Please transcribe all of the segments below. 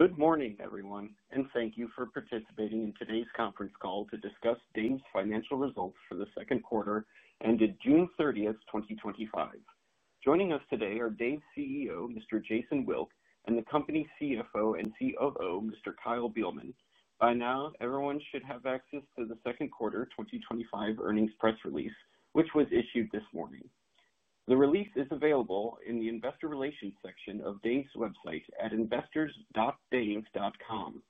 Good morning, everyone, and thank you for participating in today's conference call to discuss Dave's financial results for the second quarter ended June 30th, 2025. Joining us today are Dave's CEO, Mr. Jason Wilk, and the company CFO and COO, Mr. Kyle Beilman. By now, everyone should have access to the second quarter 2025 earnings press release, which was issued this morning. The release is available in the investor relations section of Dave's website at investors.dave.com.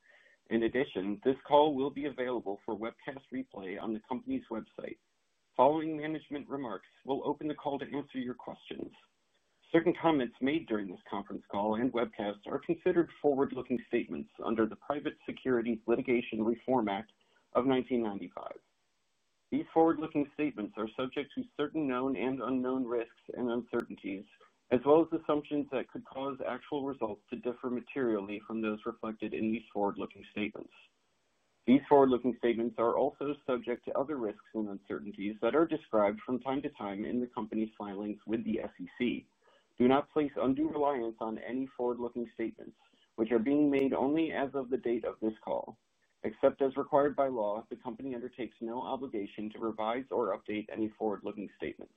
In addition, this call will be available for webcast replay on the company's website. Following management remarks, we'll open the call to answer your questions. Certain comments made during this conference call and webcast are considered forward-looking statements under the Private Securities Litigation Reform Act of 1995. These forward-looking statements are subject to certain known and unknown risks and uncertainties, as well as assumptions that could cause actual results to differ materially from those reflected in these forward-looking statements. These forward-looking statements are also subject to other risks and uncertainties that are described from time to time in the company's filings with the SEC. Do not place undue reliance on any forward-looking statements, which are being made only as of the date of this call. Except as required by law, the company undertakes no obligation to revise or update any forward-looking statements.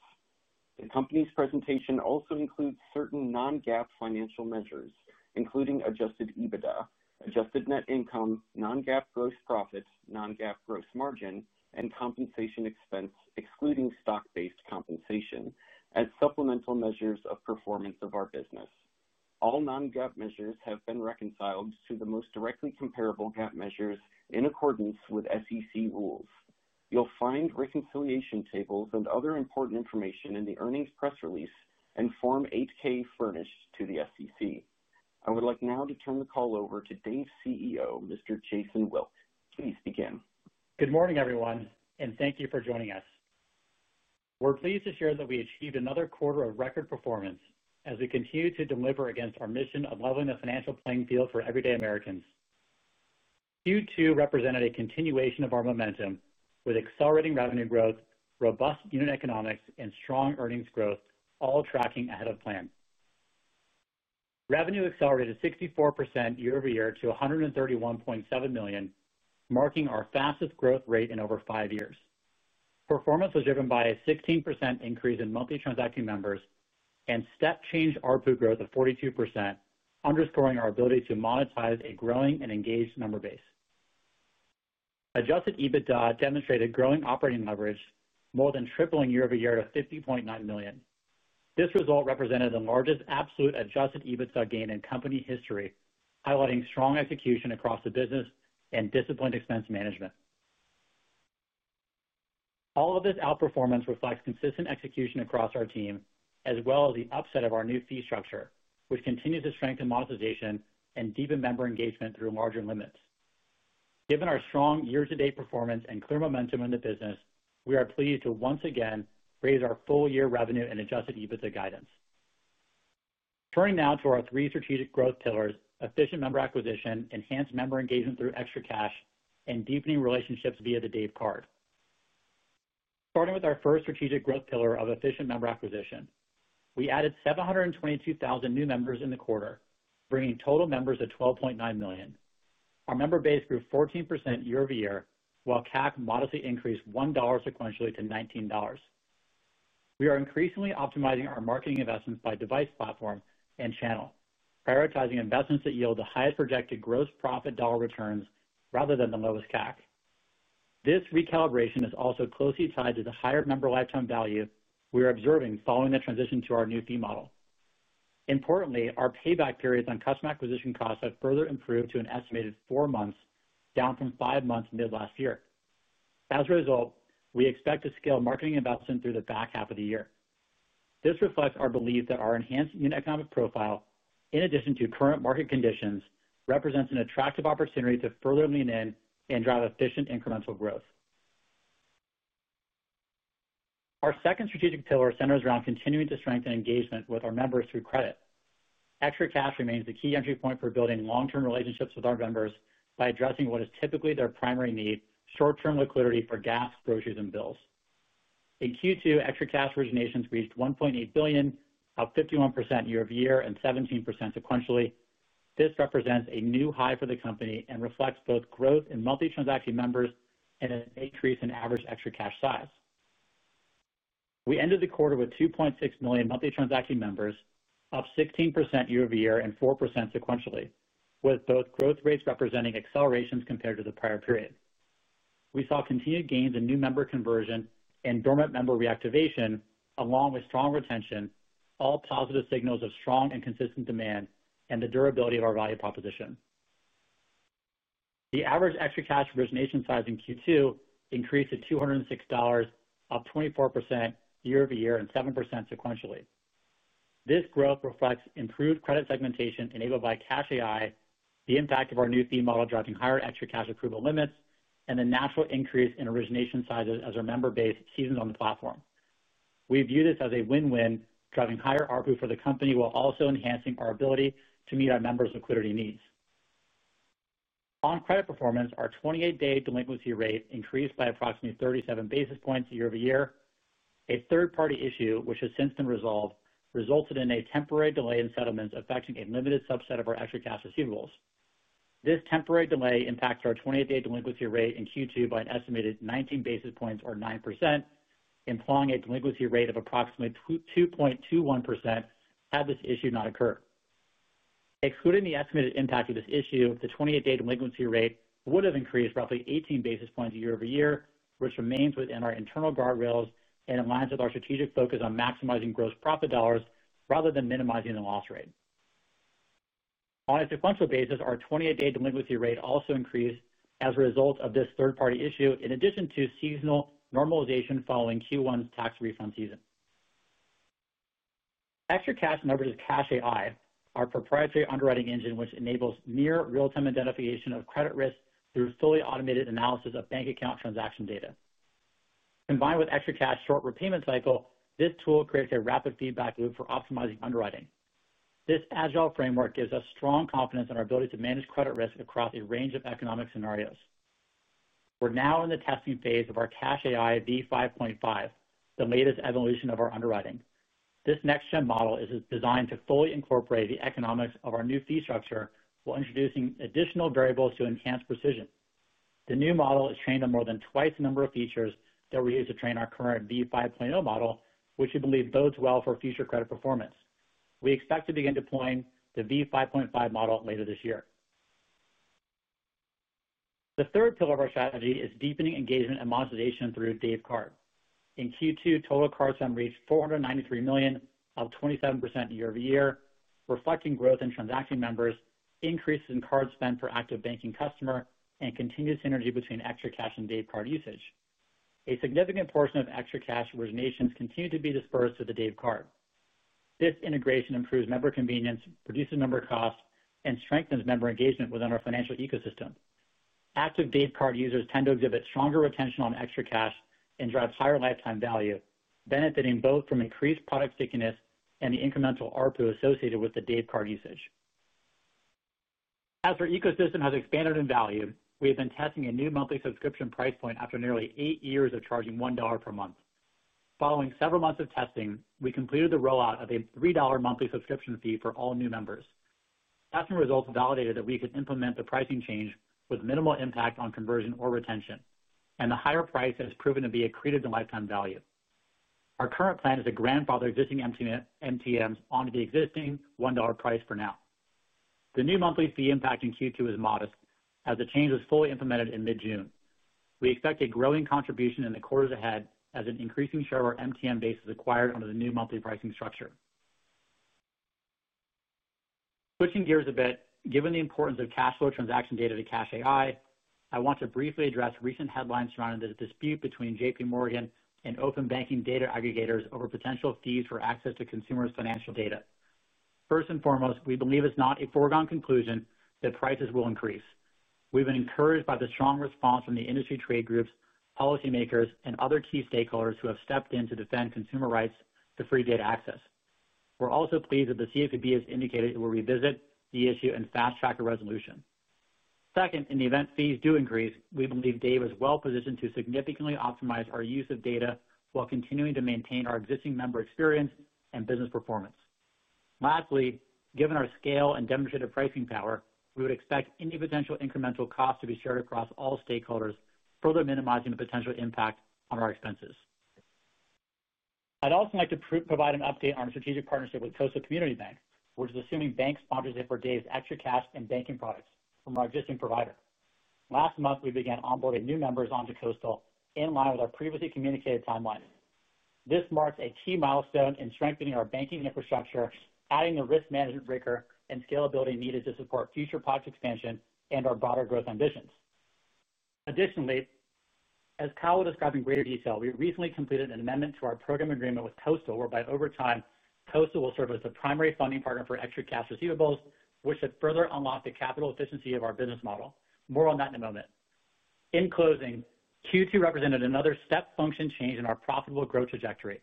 The company's presentation also includes certain non-GAAP financial measures, including adjusted EBITDA, adjusted net income, non-GAAP gross profit, non-GAAP gross margin, and compensation expense, excluding stock-based compensation, as supplemental measures of performance of our business. All non-GAAP measures have been reconciled to the most directly comparable GAAP measures in accordance with SEC rules. You'll find reconciliation tables and other important information in the earnings press release and Form 8-K furnished to the SEC. I would like now to turn the call over to Dave's CEO, Mr. Jason Wilk. Please begin. Good morning, everyone, and thank you for joining us. We're pleased to share that we achieved another quarter of record performance as we continue to deliver against our mission of leveling the financial playing field for everyday Americans. Q2 represented a continuation of our momentum with accelerating revenue growth, robust unit economics, and strong earnings growth, all tracking ahead of plan. Revenue accelerated 64% year-over-year to $131.7 million, marking our fastest growth rate in over five years. Performance was driven by a 16% increase in monthly transacting numbers and step-change ARPU growth of 42%, underscoring our ability to monetize a growing and engaged member base. Adjusted EBITDA demonstrated growing operating leverage, more than tripling year-over-year to $50.9 million. This result represented the largest absolute adjusted EBITDA gain in company history, highlighting strong execution across the business and disciplined expense management. All of this outperformance reflects consistent execution across our team, as well as the upside of our new fee structure, which continues to strengthen monetization and deepen member engagement through larger limits. Given our strong year-to-date performance and clear momentum in the business, we are pleased to once again raise our full year revenue and adjusted EBITDA guidance. Turning now to our three strategic growth pillars: efficient member acquisition, enhanced member engagement through ExtraCash, and deepening relationships via the Dave Card. Starting with our first strategic growth pillar of efficient member acquisition, we added 722,000 new members in the quarter, bringing total members to 12.9 million. Our member base grew 14% year-over-year, while CAC modestly increased $1 sequentially to $19. We are increasingly optimizing our marketing investments by device platform and channel, prioritizing investments that yield the highest projected gross profit dollar returns rather than the lowest CAC. This recalibration is also closely tied to the higher member lifetime value we are observing following the transition to our new fee model. Importantly, our payback periods on customer acquisition costs have further improved to an estimated four months, down from five months mid-last year. As a result, we expect to scale marketing investment through the back half of the year. This reflects our belief that our enhanced unit economic profile, in addition to current market conditions, represents an attractive opportunity to further lean in and drive efficient incremental growth. Our second strategic pillar centers around continuing to strengthen engagement with our members through credit. ExtraCash remains the key entry point for building long-term relationships with our members by addressing what is typically their primary need: short-term liquidity for gas, groceries, and bills. In Q2, ExtraCash originations reached $1.8 billion, up 51% year-over-year and 17% sequentially. This represents a new high for the company and reflects both growth in monthly transacting members and an increase in average ExtraCash size. We ended the quarter with 2.6 million monthly transacting members, up 16% year-over-year and 4% sequentially, with both growth rates representing accelerations compared to the prior period. We saw continued gains in new member conversion and dormant member reactivation, along with strong retention, all positive signals of strong and consistent demand and the durability of our value proposition. The average ExtraCash origination size in Q2 increased to $206, up 24% year-over-year and 7% sequentially. This growth reflects improved credit segmentation enabled by CashAI, the impact of our new fee model driving higher ExtraCash approval limits, and the natural increase in origination sizes as our member base seizes on the platform. We view this as a win-win, driving higher ARPU for the company while also enhancing our ability to meet our members' liquidity needs. On credit performance, our 28-day delinquency rate increased by approximately 37 basis points year-over-year. A third-party issue, which has since been resolved, resulted in a temporary delay in settlements affecting a limited subset of our ExtraCash receivables. This temporary delay impacted our 28-day delinquency rate in Q2 by an estimated 19 basis points or 9%, implying a delinquency rate of approximately 2.21% had this issue not occurred. Excluding the estimated impact of this issue, the 28-day delinquency rate would have increased roughly 18 basis points year-over-year, which remains within our internal guardrails and aligns with our strategic focus on maximizing gross profit dollars rather than minimizing the loss rate. On a sequential basis, our 28-day delinquency rate also increased as a result of this third-party issue, in addition to seasonal normalization following Q1's tax refund season. ExtraCash leverages CashAI, our proprietary underwriting engine, which enables near real-time identification of credit risk through fully automated analysis of bank account transaction data. Combined with ExtraCash's short repayment cycle, this tool creates a rapid feedback loop for optimizing underwriting. This agile framework gives us strong confidence in our ability to manage credit risk across a range of economic scenarios. We're now in the testing phase of our CashAI v5.5, the latest evolution of our underwriting. This next-gen model is designed to fully incorporate the economics of our new fee structure while introducing additional variables to enhance precision. The new model is trained on more than twice the number of features that we use to train our current v5.0 model, which we believe bodes well for future credit performance. We expect to begin deploying the v5.5 model later this year. The third pillar of our strategy is deepening engagement and monetization through Dave Card. In Q2, total card spend reached $493 million, up 27% year-over-year, reflecting growth in transaction members, increases in card spend per active banking customer, and continued synergy between ExtraCash and Dave Card usage. A significant portion of ExtraCash originations continue to be dispersed to the Dave Card. This integration improves member convenience, reduces member costs, and strengthens member engagement within our financial ecosystem. Active Dave Card users tend to exhibit stronger retention on ExtraCash and drive higher lifetime value, benefiting both from increased product stickiness and the incremental ARPU associated with the Dave Card usage. As our ecosystem has expanded in value, we have been testing a new monthly subscription price point after nearly eight years of charging $1 per month. Following several months of testing, we completed the rollout of a $3 monthly subscription fee for all new members. Testing results validated that we could implement the pricing change with minimal impact on conversion or retention, and the higher price has proven to be accretive to lifetime value. Our current plan is to grandfather existing MTMs onto the existing $1 price for now. The new monthly fee impact in Q2 is modest as the change was fully implemented in mid-June. We expect a growing contribution in the quarters ahead as an increasing share of our MTM bases are acquired under the new monthly pricing structure. Switching gears a bit, given the importance of cash flow transaction data to CashAI, I want to briefly address recent headlines surrounding the dispute between JPMorgan and open banking data aggregators over potential fees for access to consumers' financial data. First and foremost, we believe it's not a foregone conclusion that prices will increase. We've been encouraged by the strong response from the industry trade groups, policymakers, and other key stakeholders who have stepped in to defend consumer rights to free data access. We're also pleased that the CFPB has indicated it will revisit the issue and fast-track a resolution. Second, in the event fees do increase, we believe Dave is well positioned to significantly optimize our use of data while continuing to maintain our existing member experience and business performance. Lastly, given our scale and demonstrated pricing power, we would expect any potential incremental costs to be shared across all stakeholders, further minimizing the potential impact on our expenses. I'd also like to provide an update on our strategic partnership with Coastal Community Bank, which is assuming bank sponsorship for Dave's ExtraCash and banking products from our existing provider. Last month, we began onboarding new members onto Coastal in line with our previously communicated timeline. This marks a key milestone in strengthening our banking infrastructure, adding the risk management breaker and scalability needed to support future project expansion and our broader growth ambitions. Additionally, as Kyle will describe in greater detail, we recently completed an amendment to our program agreement with Coastal, whereby over time, Coastal will serve as the primary funding partner for ExtraCash receivables, which had further unlocked the capital efficiency of our business model. More on that in a moment. In closing, Q2 represented another step function change in our profitable growth trajectory.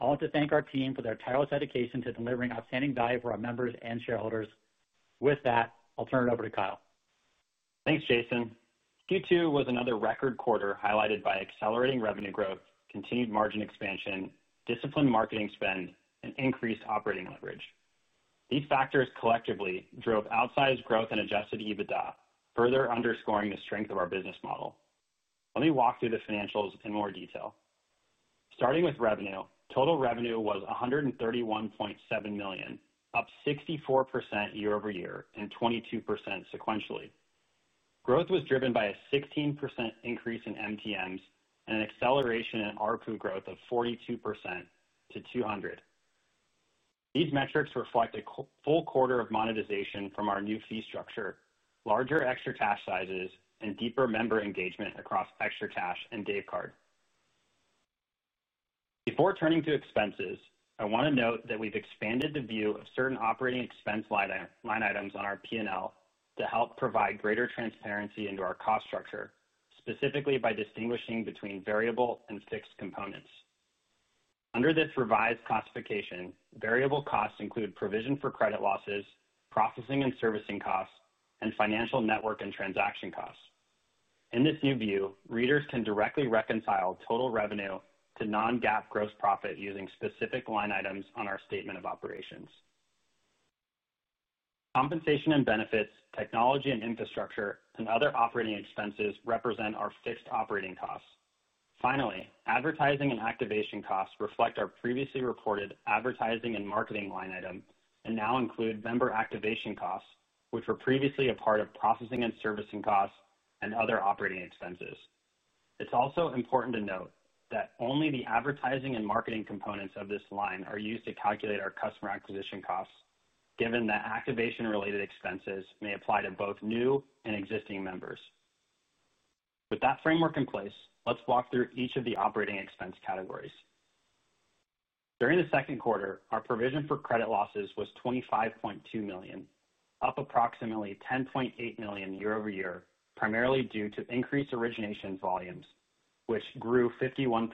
I want to thank our team for their tireless dedication to delivering outstanding value for our members and shareholders. With that, I'll turn it over to Kyle. Thanks, Jason. Q2 was another record quarter highlighted by accelerating revenue growth, continued margin expansion, disciplined marketing spend, and increased operating leverage. These factors collectively drove outsized growth and adjusted EBITDA, further underscoring the strength of our business model. Let me walk through the financials in more detail. Starting with revenue, total revenue was $131.7 million, up 64% year-over-year and 22% sequentially. Growth was driven by a 16% increase in MTMs and an acceleration in ARPU growth of 42% to $200. These metrics reflect a full quarter of monetization from our new fee structure, larger ExtraCash sizes, and deeper member engagement across ExtraCash and Dave Card. Before turning to expenses, I want to note that we've expanded the view of certain operating expense line items on our P&L to help provide greater transparency into our cost structure, specifically by distinguishing between variable and fixed components. Under this revised classification, variable costs include provision for credit losses, processing and servicing costs, and financial network and transaction costs. In this new view, readers can directly reconcile total revenue to non-GAAP gross profit using specific line items on our statement of operations. Compensation and benefits, technology and infrastructure, and other operating expenses represent our fixed operating costs. Finally, advertising and activation costs reflect our previously reported advertising and marketing line item and now include member activation costs, which were previously a part of processing and servicing costs and other operating expenses. It's also important to note that only the advertising and marketing components of this line are used to calculate our customer acquisition costs, given that activation-related expenses may apply to both new and existing members. With that framework in place, let's walk through each of the operating expense categories. During the second quarter, our provision for credit losses was $25.2 million, up approximately $10.8 million year-over-year, primarily due to increased origination volumes, which grew 51%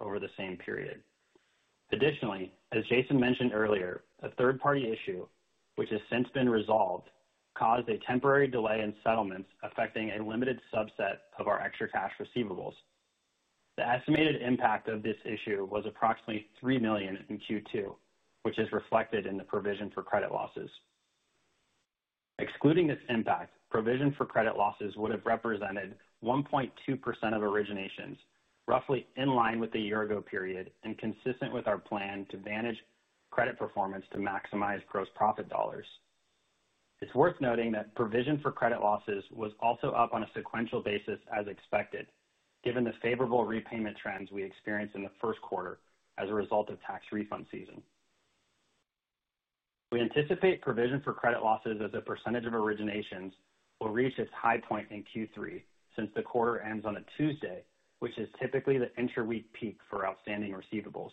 over the same period. Additionally, as Jason mentioned earlier, a third-party issue, which has since been resolved, caused a temporary delay in settlements affecting a limited subset of our ExtraCash receivables. The estimated impact of this issue was approximately $3 million in Q2, which is reflected in the provision for credit losses. Excluding this impact, provision for credit losses would have represented 1.2% of originations, roughly in line with the year-ago period and consistent with our plan to manage credit performance to maximize gross profit dollars. It's worth noting that provision for credit losses was also up on a sequential basis as expected, given the favorable repayment trends we experienced in the first quarter as a result of tax refund season. We anticipate provision for credit losses as a percentage of originations will reach its high point in Q3, since the quarter ends on a Tuesday, which is typically the intraweek peak for outstanding receivables.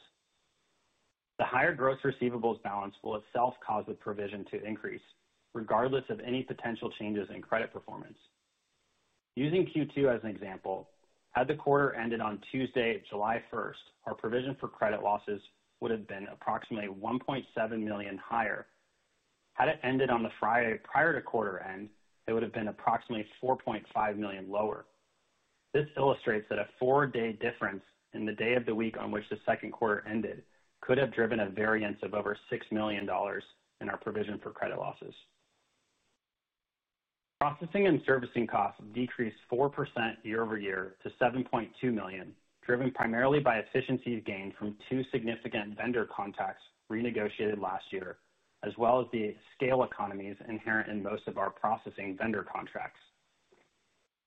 The higher gross receivables balance will itself cause the provision to increase, regardless of any potential changes in credit performance. Using Q2 as an example, had the quarter ended on Tuesday, July 1st, our provision for credit losses would have been approximately $1.7 million higher. Had it ended on the Friday prior to quarter end, it would have been approximately $4.5 million lower. This illustrates that a four-day difference in the day of the week on which the second quarter ended could have driven a variance of over $6 million in our provision for credit losses. Processing and servicing costs decreased 4% year-over-year to $7.2 million, driven primarily by efficiencies gained from two significant vendor contracts renegotiated last year, as well as the scale economies inherent in most of our processing vendor contracts.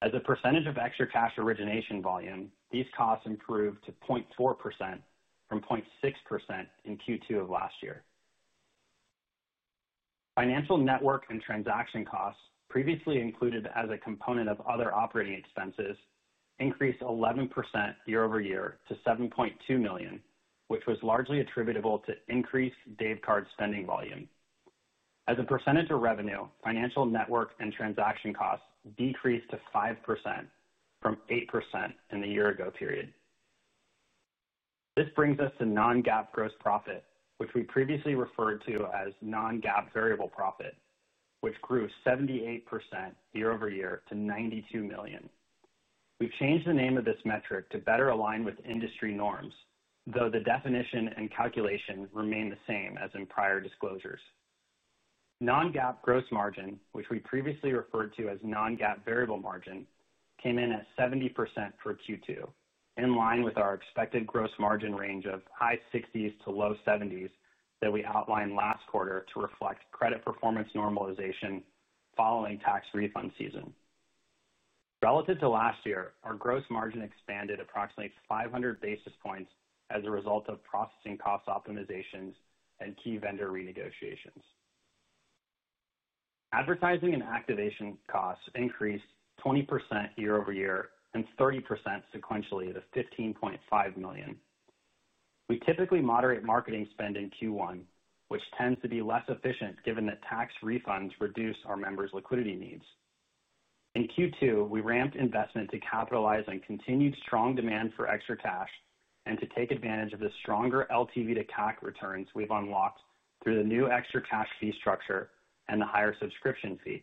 As a percentage of ExtraCash origination volume, these costs improved to 0.4% from 0.6% in Q2 of last year. Financial network and transaction costs, previously included as a component of other operating expenses, increased 11% year-over-year to $7.2 million, which was largely attributable to increased Dave Card spending volume. As a percentage of revenue, financial network and transaction costs decreased to 5% from 8% in the year-ago period. This brings us to non-GAAP gross profit, which we previously referred to as non-GAAP variable profit, which grew 78% year-over-year to $92 million. We've changed the name of this metric to better align with industry norms, though the definition and calculation remain the same as in prior disclosures. Non-GAAP gross margin, which we previously referred to as non-GAAP variable margin, came in at 70% for Q2, in line with our expected gross margin range of high 60s to low 70s that we outlined last quarter to reflect credit performance normalization following tax refund season. Relative to last year, our gross margin expanded approximately 500 basis points as a result of processing cost optimizations and key vendor renegotiations. Advertising and activation costs increased 20% year-over-year and 30% sequentially to $15.5 million. We typically moderate marketing spend in Q1, which tends to be less efficient given that tax refunds reduce our members' liquidity needs. In Q2, we ramped investment to capitalize on continued strong demand for ExtraCash and to take advantage of the stronger LTV to CAC returns we've unlocked through the new ExtraCash fee structure and the higher subscription fee.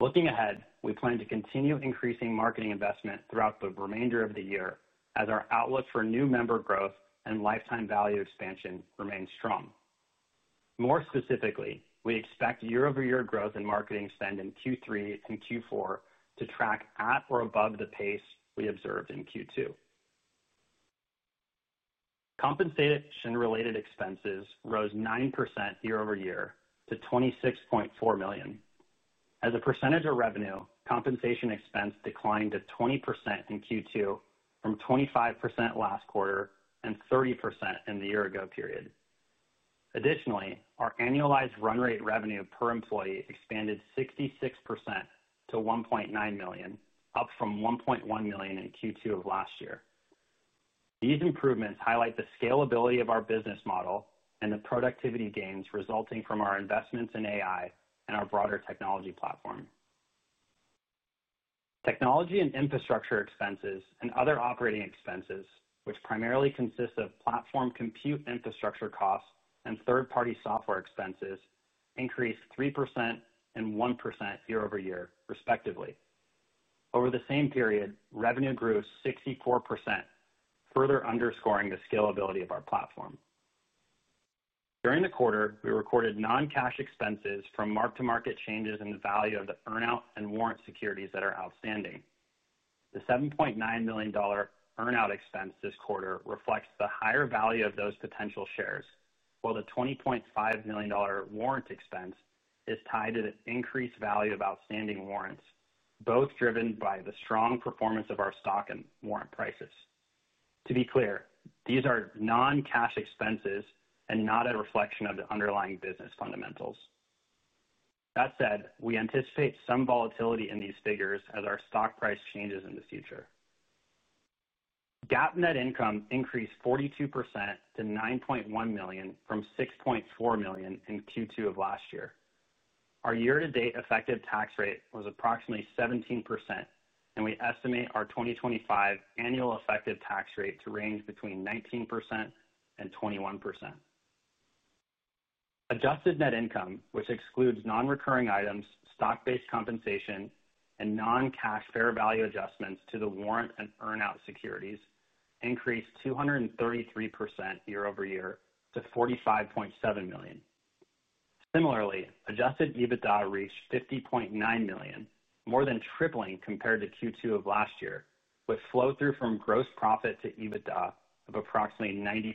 Looking ahead, we plan to continue increasing marketing investment throughout the remainder of the year as our outlook for new member growth and lifetime value expansion remains strong. More specifically, we expect year-over-year growth in marketing spend in Q3 and Q4 to track at or above the pace we observed in Q2. Compensation-related expenses rose 9% year-over-year to $26.4 million. As a percentage of revenue, compensation expense declined to 20% in Q2 from 25% last quarter and 30% in the year-ago period. Additionally, our annualized run rate revenue per employee expanded 66% to $1.9 million, up from $1.1 million in Q2 of last year. These improvements highlight the scalability of our business model and the productivity gains resulting from our investments in AI and our broader technology platform. Technology and infrastructure expenses and other operating expenses, which primarily consist of platform compute infrastructure costs and third-party software expenses, increased 3% and 1% year-over-year, respectively. Over the same period, revenue grew 64%, further underscoring the scalability of our platform. During the quarter, we recorded non-cash expenses from mark-to-market changes in the value of the earnout and warrant securities that are outstanding. The $7.9 million earnout expense this quarter reflects the higher value of those potential shares, while the $20.5 million warrant expense is tied to the increased value of outstanding warrants, both driven by the strong performance of our stock and warrant prices. To be clear, these are non-cash expenses and not a reflection of the underlying business fundamentals. That said, we anticipate some volatility in these figures as our stock price changes in the future. GAAP net income increased 42% to $9.1 million from $6.4 million in Q2 of last year. Our year-to-date effective tax rate was approximately 17%, and we estimate our 2025 annual effective tax rate to range between 19% and 21%. Adjusted net income, which excludes non-recurring items, stock-based compensation, and non-cash fair value adjustments to the warrant and earnout securities, increased 233% year-over-year to $45.7 million. Similarly, adjusted EBITDA reached $50.9 million, more than tripling compared to Q2 of last year, with flow-through from gross profit to EBITDA of approximately 90%.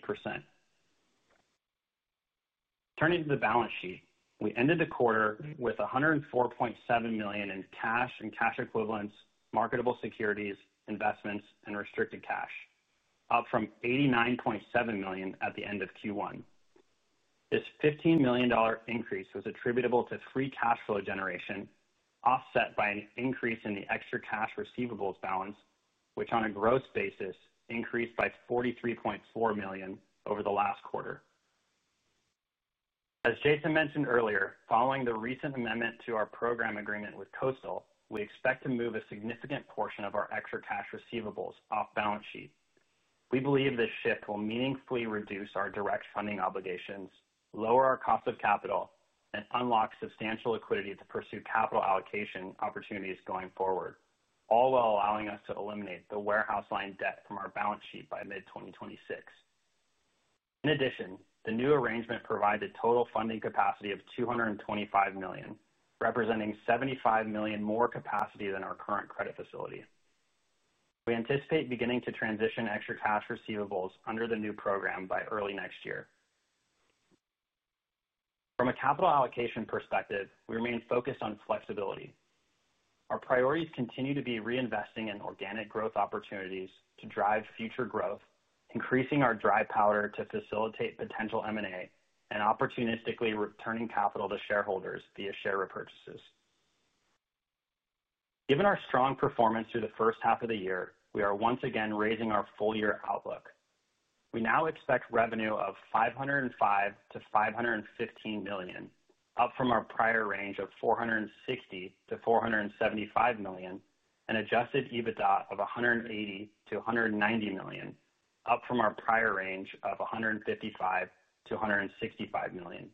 Turning to the balance sheet, we ended the quarter with $104.7 million in cash and cash equivalents, marketable securities, investments, and restricted cash, up from $89.7 million at the end of Q1. This $15 million increase was attributable to free cash flow generation, offset by an increase in the ExtraCash receivables balance, which on a gross basis increased by $43.4 million over the last quarter. As Jason mentioned earlier, following the recent amendment to our program agreement with Coastal, we expect to move a significant portion of our ExtraCash receivables off balance sheet. We believe this shift will meaningfully reduce our direct funding obligations, lower our cost of capital, and unlock substantial liquidity to pursue capital allocation opportunities going forward, all while allowing us to eliminate the warehouse line debt from our balance sheet by mid-2026. In addition, the new arrangement provides a total funding capacity of $225 million, representing $75 million more capacity than our current credit facility. We anticipate beginning to transition ExtraCash receivables under the new program by early next year. From a capital allocation perspective, we remain focused on flexibility. Our priorities continue to be reinvesting in organic growth opportunities to drive future growth, increasing our dry powder to facilitate potential M&A, and opportunistically returning capital to shareholders via share repurchases. Given our strong performance through the first half of the year, we are once again raising our full-year outlook. We now expect revenue of $505 million-$515 million, up from our prior range of $460 million-$475 million, and adjusted EBITDA of $180 million-$190 million, up from our prior range of $155 million-$165 million.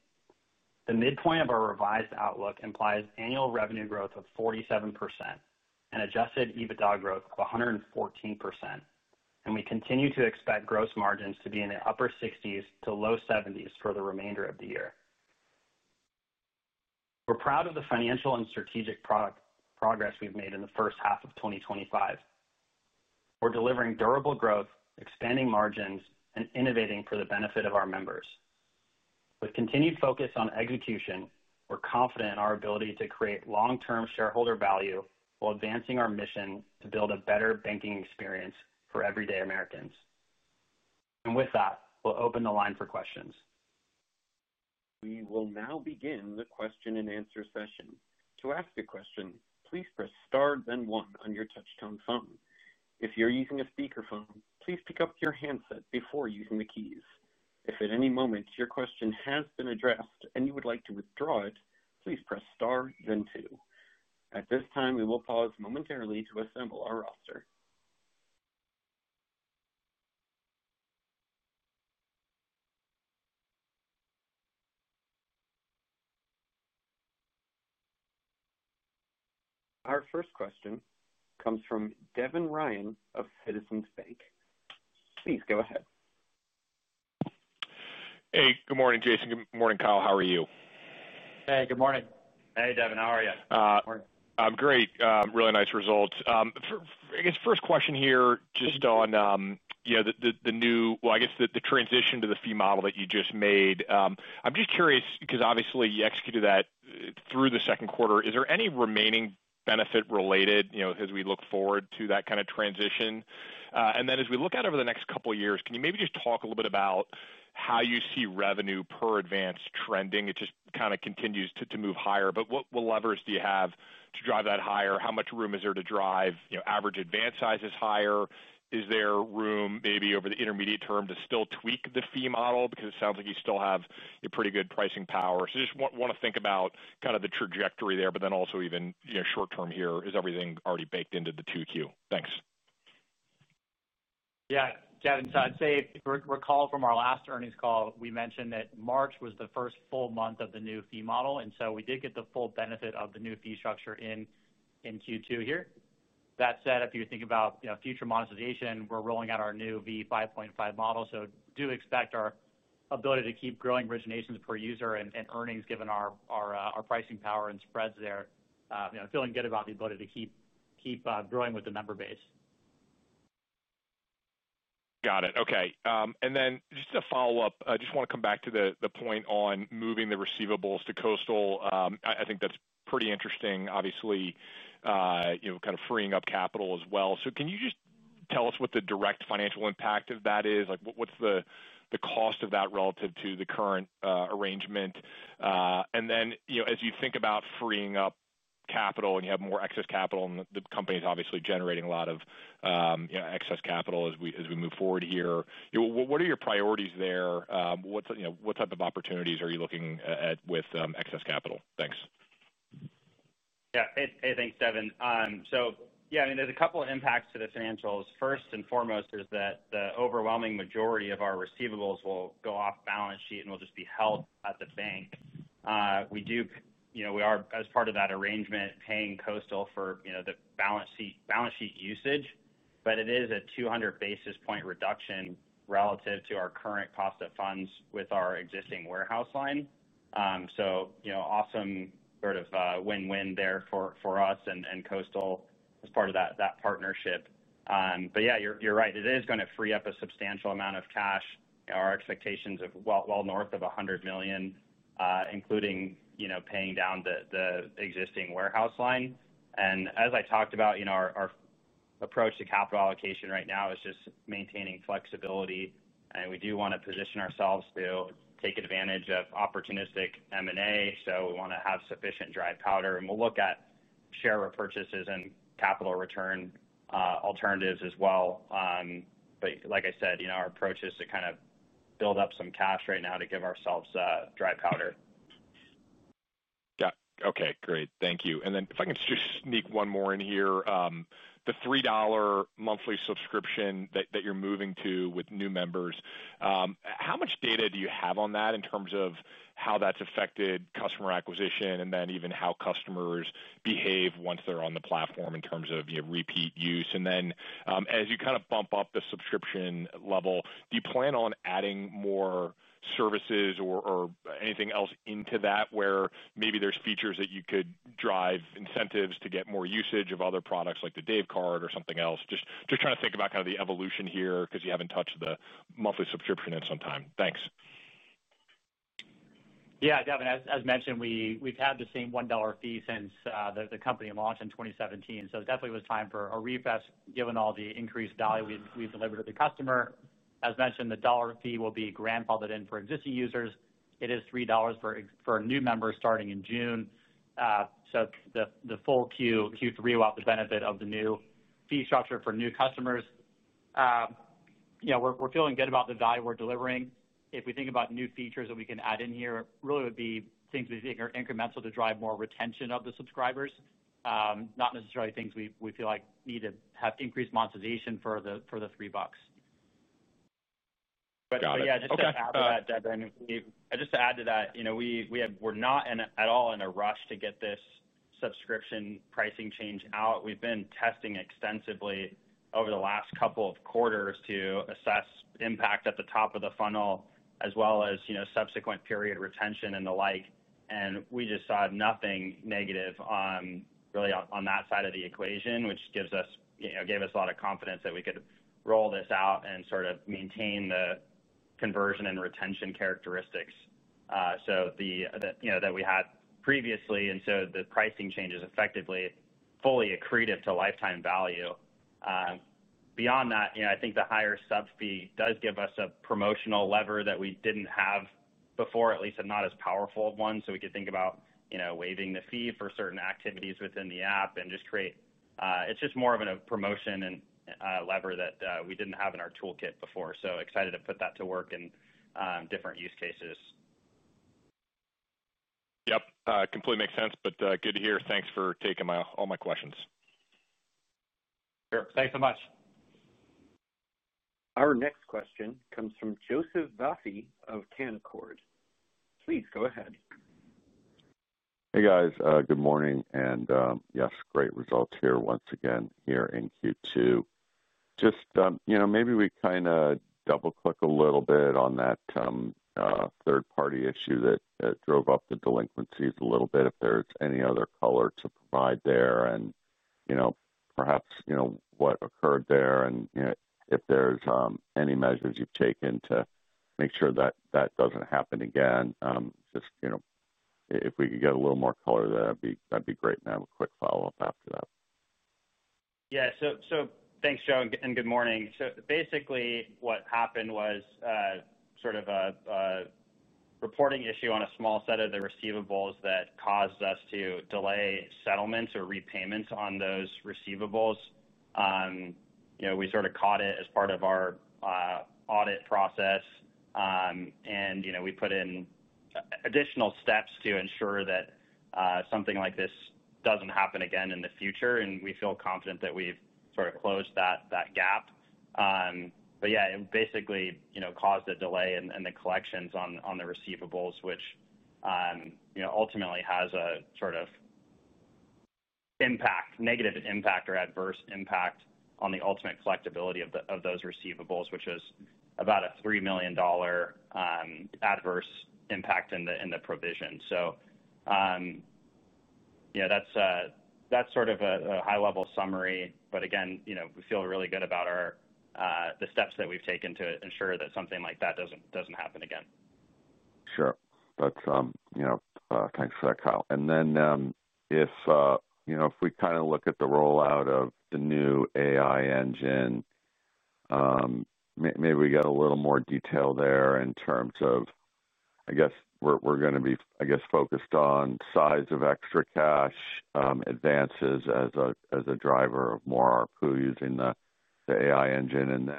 The midpoint of our revised outlook implies annual revenue growth of 47% and adjusted EBITDA growth of 114%, and we continue to expect gross margins to be in the upper 60% to low 70% for the remainder of the year. We're proud of the financial and strategic product progress we've made in the first half of 2025. We're delivering durable growth, expanding margins, and innovating for the benefit of our members. With continued focus on execution, we're confident in our ability to create long-term shareholder value while advancing our mission to build a better banking experience for everyday Americans. With that, we'll open the line for questions. We will now begin the question and answer session. To ask a question, please press star, then one on your touch-tone phone. If you're using a speaker phone, please pick up your handset before using the keys. If at any moment your question has been addressed and you would like to withdraw it, please press star, then two. At this time, we will pause momentarily to assemble our roster. Our first question comes from Devin Ryan of Citizens Bank. Please go ahead. Hey, good morning, Jason. Good morning, Kyle. How are you? Hey, good morning. Hey, Devin. How are you? I'm great. Really nice results. I guess first question here just on the new, I guess the transition to the fee model that you just made. I'm just curious because obviously you executed that through the second quarter. Is there any remaining benefit related, as we look forward to that kind of transition? As we look out over the next couple of years, can you maybe just talk a little bit about how you see revenue per advance trending? It just kind of continues to move higher, but what levers do you have to drive that higher? How much room is there to drive average advance size higher? Is there room maybe over the intermediate term to still tweak the fee model because it sounds like you still have pretty good pricing power? I just want to think about kind of the trajectory there, but then also even short term here, is everything already baked into the 2Q? Thanks. Yeah, Devin. If you recall from our last earnings call, we mentioned that March was the first full month of the new fee model, and we did get the full benefit of the new fee structure in Q2 here. That said, if you think about future monetization, we're rolling out our new v5.5 model, so do expect our ability to keep growing originations per user and earnings given our pricing power and spreads there. You know, feeling good about the ability to keep growing with the member base. Got it. Okay. Just to follow up, I want to come back to the point on moving the receivables to Coastal. I think that's pretty interesting, obviously kind of freeing up capital as well. Can you just tell us what the direct financial impact of that is? What's the cost of that relative to the current arrangement? As you think about freeing up capital and you have more excess capital and the company is obviously generating a lot of excess capital as we move forward here, what are your priorities there? What type of opportunities are you looking at with excess capital? Thanks. Yeah, thanks, Devin. There's a couple of impacts to the financials. First and foremost, the overwhelming majority of our receivables will go off balance sheet and will just be held at the bank. We are, as part of that arrangement, paying Coastal for the balance sheet usage, but it is a 200 basis point reduction relative to our current cost of funds with our existing warehouse line. Awesome sort of win-win there for us and Coastal as part of that partnership. You're right, it is going to free up a substantial amount of cash. Our expectations are well north of $100 million, including paying down the existing warehouse line. As I talked about, our approach to capital allocation right now is just maintaining flexibility. We do want to position ourselves to take advantage of opportunistic M&A. We want to have sufficient dry powder, and we'll look at share repurchases and capital return alternatives as well. Like I said, our approach is to kind of build up some cash right now to give ourselves dry powder. Got it. Okay, great. Thank you. If I can just sneak one more in here, the $3 monthly subscription that you're moving to with new members, how much data do you have on that in terms of how that's affected customer acquisition and how customers behave once they're on the platform in terms of repeat use? As you kind of bump up the subscription level, do you plan on adding more services or anything else into that where maybe there's features that you could drive incentives to get more usage of other products like the Dave Card or something else? Just trying to think about the evolution here because you haven't touched the monthly subscription in some time. Thanks. Yeah, Devin, as mentioned, we've had the same $1 fee since the company launched in 2017. It definitely was time for a refresh given all the increased value we've delivered to the customer. As mentioned, the $1 fee will be grandfathered in for existing users. It is $3 for new members starting in June. The full Q3 will have the benefit of the new fee structure for new customers. We're feeling good about the value we're delivering. If we think about new features that we can add in here, it really would be things we think are incremental to drive more retention of the subscribers, not necessarily things we feel like need to have increased monetization for the $3. Just to add to that, Devin, we were not at all in a rush to get this subscription pricing change out. We've been testing extensively over the last couple of quarters to assess impact at the top of the funnel, as well as subsequent period retention and the like. We just saw nothing negative really on that side of the equation, which gave us a lot of confidence that we could roll this out and sort of maintain the conversion and retention characteristics that we had previously. The pricing change is effectively fully accretive to lifetime value. Beyond that, I think the higher sub fee does give us a promotional lever that we didn't have before, at least not as powerful one. We could think about waiving the fee for certain activities within the app and just create, it's just more of a promotion and lever that we didn't have in our toolkit before. Excited to put that to work in different use cases. Yep, completely makes sense, good to hear. Thanks for taking all my questions. Sure, thanks so much. Our next question comes from Joseph Vafi of Canaccord. Please go ahead. Hey guys, good morning. Yes, great results here once again in Q2. Maybe we kind of double click a little bit on that third-party issue that drove up the delinquencies a little bit, if there's any other color to provide there, and perhaps what occurred there, and if there's any measures you've taken to make sure that that doesn't happen again. If we could get a little more color there, that'd be great. I have a quick follow-up after that. Yeah, so thanks, Joe, and good morning. Basically, what happened was sort of a reporting issue on a small set of the receivables that caused us to delay settlements or repayments on those receivables. We sort of caught it as part of our audit process, and we put in additional steps to ensure that something like this doesn't happen again in the future. We feel confident that we've sort of closed that gap. It basically caused a delay in the collections on the receivables, which ultimately has a sort of impact, negative impact, or adverse impact on the ultimate collectability of those receivables, which is about a $3 million adverse impact in the provision. That's sort of a high-level summary. Again, we feel really good about the steps that we've taken to ensure that something like that doesn't happen again. Sure. Thanks for that, Kyle. If we kind of look at the rollout of the new AI engine, maybe we get a little more detail there in terms of, I guess, we're going to be focused on size of ExtraCash advances as a driver of more ARPU using the AI engine.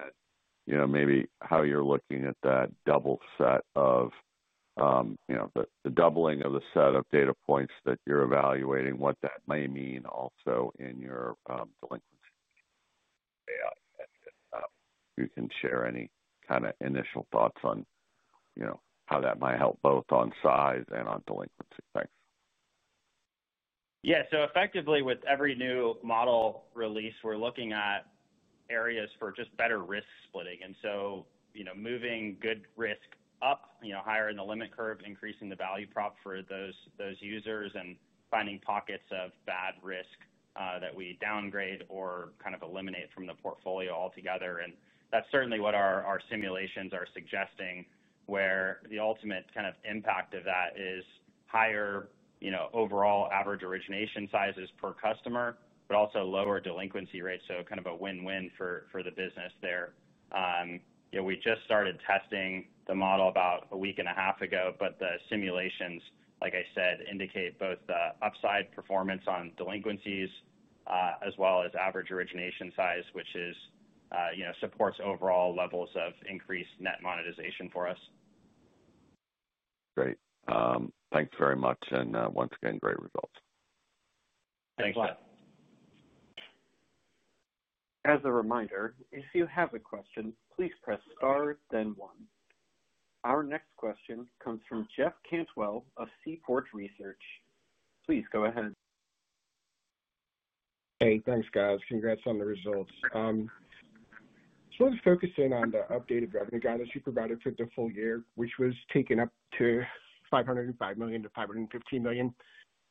Maybe how you're looking at that double set of, you know, the doubling of the set of data points that you're evaluating, what that may mean also in your delinquency AI engine. You can share any kind of initial thoughts on how that might help both on size and on delinquency. Thanks. Yeah, so effectively with every new model release, we're looking at areas for just better risk splitting. You know, moving good risk up, higher in the limit curve, increasing the value prop for those users, and finding pockets of bad risk that we downgrade or kind of eliminate from the portfolio altogether. That's certainly what our simulations are suggesting, where the ultimate kind of impact of that is higher overall average origination sizes per customer, but also lower delinquency rates. It's kind of a win-win for the business there. We just started testing the model about a week and a half ago, but the simulations, like I said, indicate both the upside performance on delinquencies, as well as average origination size, which supports overall levels of increased net monetization for us. Great, thanks very much. Once again, great results. Thanks a lot. As a reminder, if you have a question, please press star, then one. Our next question comes from Jeff Cantwell of Seaport Research. Please go ahead. Thanks, guys. Congrats on the results. Let's focus in on the updated revenue guidance you provided for the full year, which was taken up to $505 million-$515 million.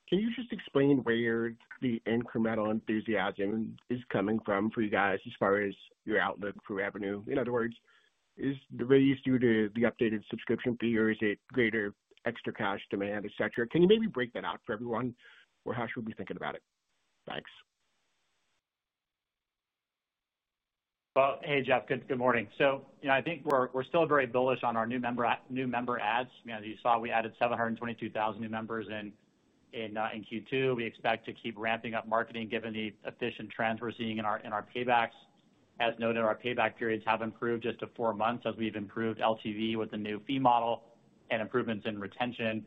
Can you just explain where the incremental enthusiasm is coming from for you guys as far as your outlook for revenue? In other words, is the raise due to the updated subscription fee, or is it greater ExtraCash demand, et cetera? Can you maybe break that out for everyone, or how should we be thinking about it? Thanks. Good morning, Jeff. I think we're still very bullish on our new member ads. You saw we added 722,000 new members in Q2. We expect to keep ramping up marketing given the efficient trends we're seeing in our paybacks. As noted, our payback periods have improved to just four months as we've improved LTV with the new fee model and improvements in retention.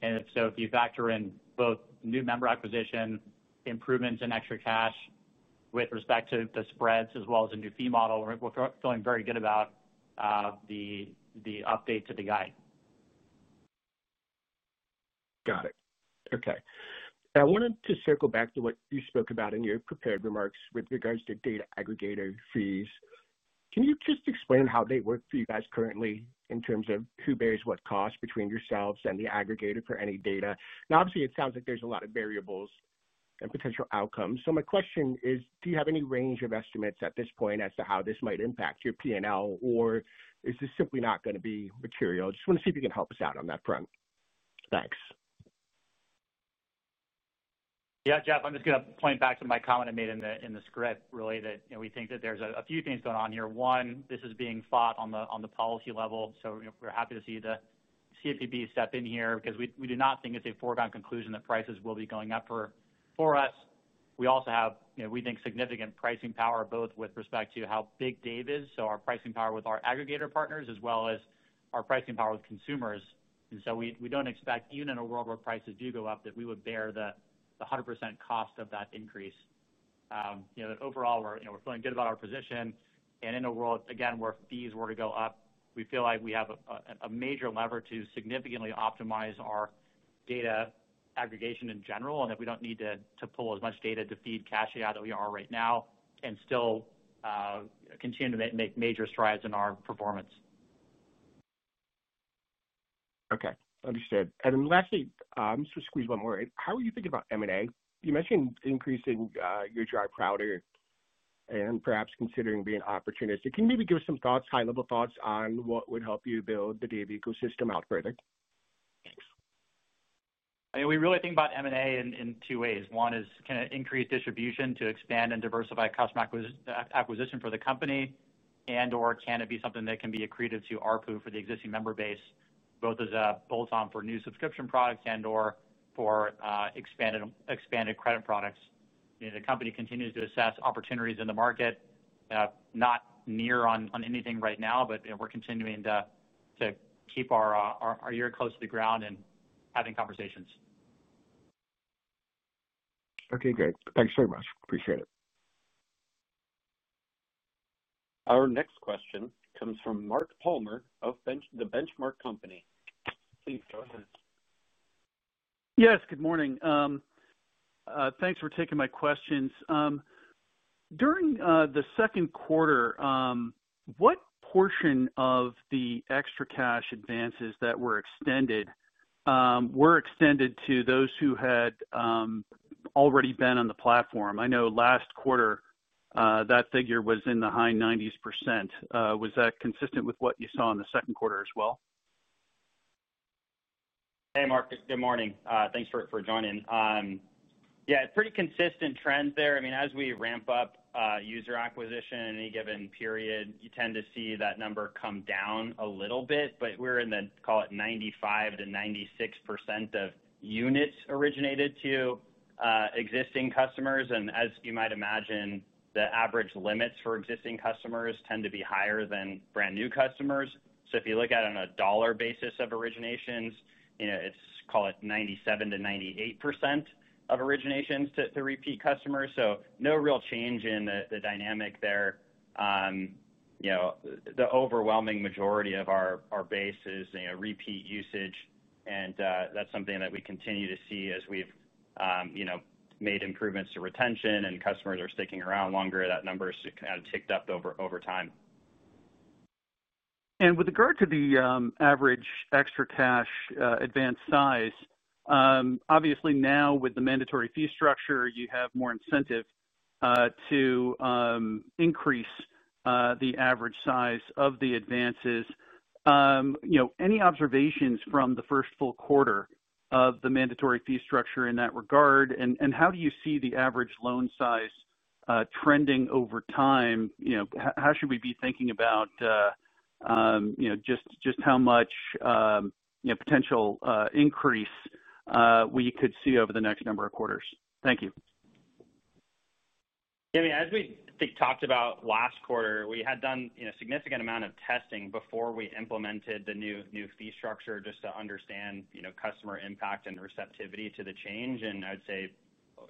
If you factor in both new member acquisition, improvements in ExtraCash with respect to the spreads, as well as a new fee model, we're feeling very good about the update to the guide. Got it. Okay. Now I wanted to circle back to what you spoke about in your prepared remarks with regards to data aggregator fees. Can you just explain how they work for you guys currently in terms of who bears what cost between yourselves and the aggregator for any data? Obviously, it sounds like there's a lot of variables and potential outcomes. My question is, do you have any range of estimates at this point as to how this might impact your P&L, or is this simply not going to be material? I just want to see if you can help us out on that front. Thanks. Yeah, Jeff, I'm just going to point back to my comment I made in the script, really, that we think that there's a few things going on here. One, this is being fought on the policy level. We're happy to see the CFPB step in here because we do not think it's a foregone conclusion that prices will be going up for us. We also have, we think, significant pricing power both with respect to how big Dave is, so our pricing power with our aggregator partners, as well as our pricing power with consumers. We don't expect, even in a world where prices do go up, that we would bear the 100% cost of that increase. Overall, we're feeling good about our position. In a world, again, where fees were to go up, we feel like we have a major lever to significantly optimize our data aggregation in general, and that we don't need to pull as much data to feed cash out as we are right now and still continue to make major strides in our performance. Okay, understood. Lastly, I'm just going to squeeze one more. How are you thinking about M&A? You mentioned increasing your dry powder and perhaps considering being opportunistic. Can you maybe give us some thoughts, high-level thoughts, on what would help you build the Dave ecosystem out further? Thanks. We really think about M&A in two ways. One is can it increase distribution to expand and diversify customer acquisition for the company, and/or can it be something that can be accretive to ARPU for the existing member base, both as a bolt-on for new subscription products and/or for expanded credit products? The company continues to assess opportunities in the market. Not near on anything right now, but we're continuing to keep our ear close to the ground and having conversations. Okay, great. Thanks very much. Appreciate it. Our next question comes from Mark Palmer of The Benchmark Company. Please go ahead. Yes, good morning. Thanks for taking my questions. During the second quarter, what portion of the ExtraCash advances that were extended were extended to those who had already been on the platform? I know last quarter that figure was in the high 90%. Was that consistent with what you saw in the second quarter as well? Hey, Mark. Good morning. Thanks for joining. Yeah, pretty consistent trends there. As we ramp up user acquisition in any given period, you tend to see that number come down a little bit, but we're in the, call it, 95%-96% of units originated to existing customers. As you might imagine, the average limits for existing customers tend to be higher than brand new customers. If you look at it on a dollar basis of originations, it's, call it, 97%-98% of originations to repeat customers. No real change in the dynamic there. The overwhelming majority of our base is repeat usage, and that's something that we continue to see as we've made improvements to retention and customers are sticking around longer. That number has kind of ticked up over time. With regard to the average ExtraCash advance size, obviously now with the mandatory fee structure, you have more incentive to increase the average size of the advances. Any observations from the first full quarter of the mandatory fee structure in that regard? How do you see the average loan size trending over time? How should we be thinking about just how much potential increase we could see over the next number of quarters? Thank you. Yeah, as we talked about last quarter, we had done a significant amount of testing before we implemented the new fee structure just to understand, you know, customer impact and receptivity to the change. I'd say,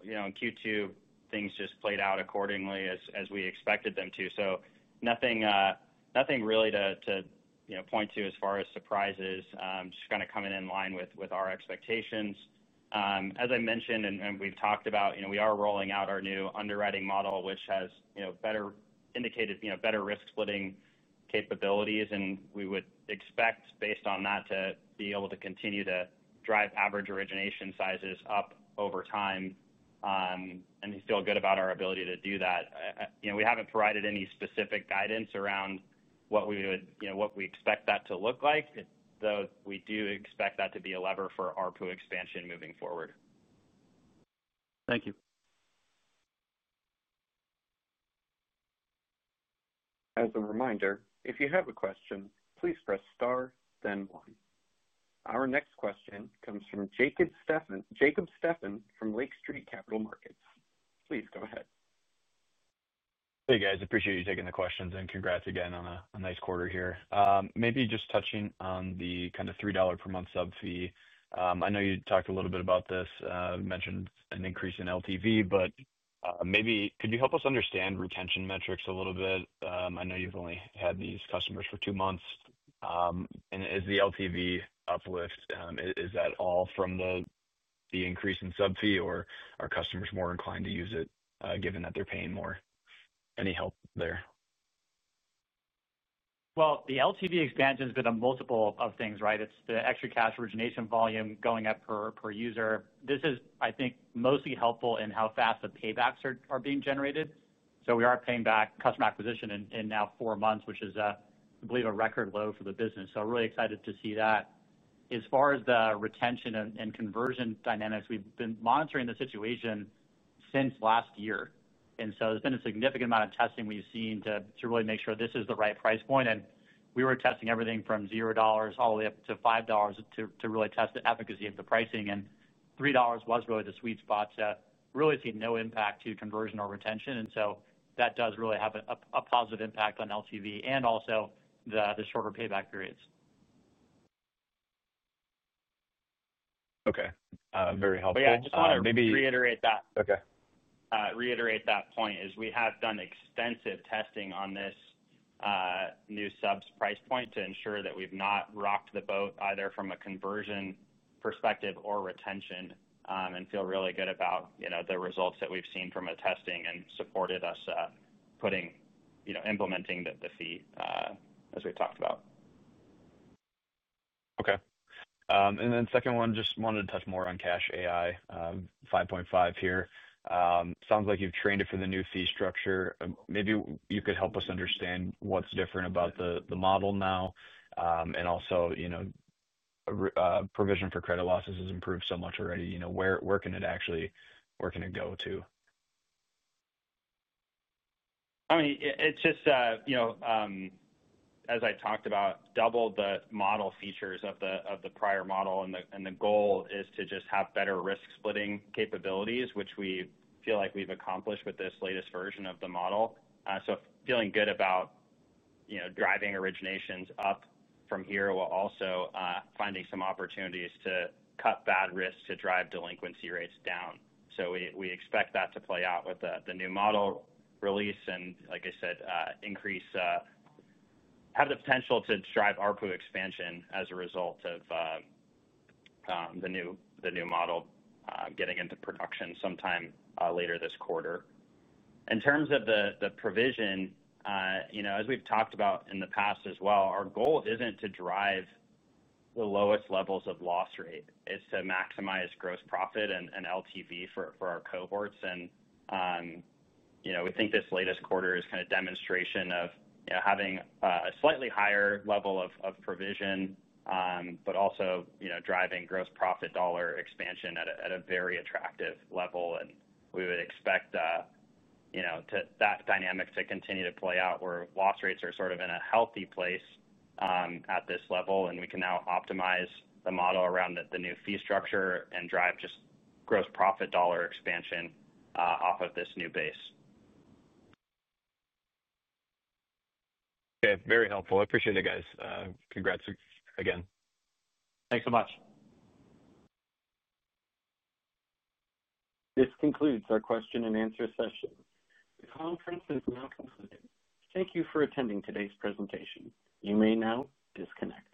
in Q2, things just played out accordingly as we expected them to. Nothing really to point to as far as surprises, just kind of coming in line with our expectations. As I mentioned, and we've talked about, we are rolling out our new underwriting model, which has better indicated, you know, better risk splitting capabilities. We would expect, based on that, to be able to continue to drive average origination sizes up over time. We feel good about our ability to do that. We haven't provided any specific guidance around what we expect that to look like, though we do expect that to be a lever for ARPU expansion moving forward. Thank you. As a reminder, if you have a question, please press star, then one. Our next question comes from Jacob Stephan from Lake Street Capital Markets. Please go ahead. Hey guys, I appreciate you taking the questions and congrats again on a nice quarter here. Maybe just touching on the kind of $3 per month sub fee. I know you talked a little bit about this, mentioned an increase in LTV, but maybe could you help us understand retention metrics a little bit? I know you've only had these customers for two months. Is the LTV uplift at all from the increase in sub fee, or are customers more inclined to use it given that they're paying more? Any help there? The LTV expansion has been a multiple of things, right? It's the ExtraCash origination volume going up per user. This is, I think, mostly helpful in how fast the paybacks are being generated. We are paying back customer acquisition in now four months, which is, I believe, a record low for the business. I'm really excited to see that. As far as the retention and conversion dynamics, we've been monitoring the situation since last year. There's been a significant amount of testing we've seen to really make sure this is the right price point. We were testing everything from $0 all the way up to $5 to really test the efficacy of the pricing. $3 was really the sweet spot to really see no impact to conversion or retention. That does really have a positive impact on LTV and also the shorter payback periods. Okay, very helpful. Yeah, I just want to reiterate that. Okay. Reiterate that point is we have done extensive testing on this new subs price point to ensure that we've not rocked the boat either from a conversion perspective or retention, and feel really good about the results that we've seen from our testing and supported us putting, you know, implementing the fee as we've talked about. Okay. Second one, just wanted to touch more on CashAI v5.5 here. Sounds like you've trained it for the new fee structure. Maybe you could help us understand what's different about the model now. Also, you know, provision for credit losses has improved so much already. You know, where can it actually, where can it go to? It's just, as I talked about, double the model features of the prior model. The goal is to just have better risk splitting capabilities, which we feel like we've accomplished with this latest version of the model. Feeling good about driving originations up from here while also finding some opportunities to cut bad risks to drive delinquency rates down. We expect that to play out with the new model release. Like I said, increase, have the potential to drive ARPU expansion as a result of the new model getting into production sometime later this quarter. In terms of the provision, as we've talked about in the past as well, our goal isn't to drive the lowest levels of loss rate. It's to maximize gross profit and LTV for our cohorts. We think this latest quarter is kind of a demonstration of having a slightly higher level of provision, but also driving gross profit dollar expansion at a very attractive level. We would expect that dynamic to continue to play out where loss rates are sort of in a healthy place at this level. We can now optimize the model around the new fee structure and drive just gross profit dollar expansion off of this new base. Okay, very helpful. I appreciate it, guys. Congrats again. Thanks so much. This concludes our question and answer session. The conference is now concluded. Thank you for attending today's presentation. You may now disconnect.